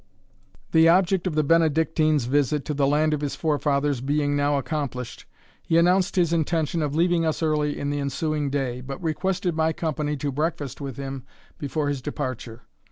The object of the Benedictine's visit to the land of his forefathers being now accomplished, he announced his intention of leaving us early in the ensuing day, but requested my company to breakfast with him before his departure.